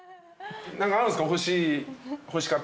何かあるんすか？